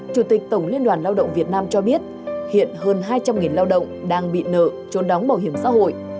chủ tịch tổng liên đoàn lao động việt nam cho biết hiện hơn hai trăm linh lao động đang bị nợ trốn đóng bảo hiểm xã hội